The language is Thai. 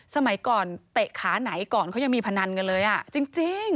สมัยก่อนเตะขาไหนก่อนก็ยังมีพนันเลยจริง